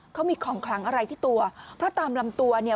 เขามีของคลังอะไรที่ตัวเพราะตามลำตัวเนี่ย